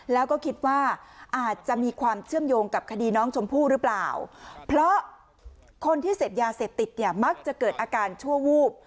แล้วก็คิดว่าอาจจะมีความเชื่อมโยงกับคดีน้องชมพู่หรือเปล่าเพราะคนที่เสพยาเสพติดเนี่ยมักจะเกิดอาการชั่ววูบ